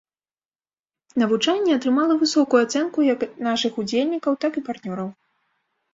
Навучанне атрымала высокую ацэнку як нашых удзельнікаў, так і партнёраў.